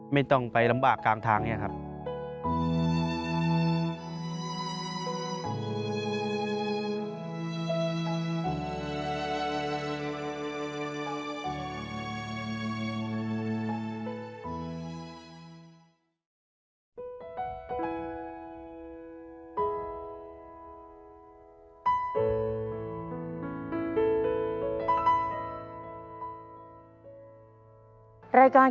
ไม่ต้องไปลำบากกลางทางอย่างนี้ครับ